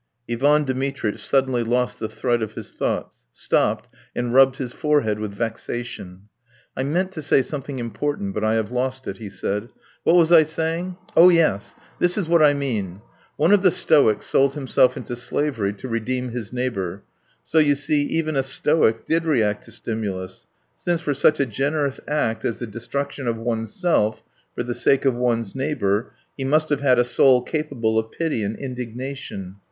Ivan Dmitritch suddenly lost the thread of his thoughts, stopped, and rubbed his forehead with vexation. "I meant to say something important, but I have lost it," he said. "What was I saying? Oh, yes! This is what I mean: one of the Stoics sold himself into slavery to redeem his neighbour, so, you see, even a Stoic did react to stimulus, since, for such a generous act as the destruction of oneself for the sake of one's neighbour, he must have had a soul capable of pity and indignation.